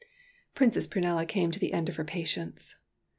Princess Prunella came to the end of her patience.